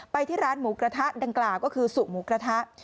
ที่ร้านหมูกระทะดังกล่าวก็คือสุหมูกระทะ